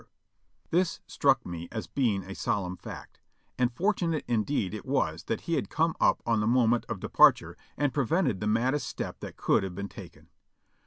474 JOHNNY REB AND BIIvLY YANK This Struck me as being a solemn fact, and fortunate indeed it was that he had come up on the moment of departure and pre vented the maddest step that could have been taken.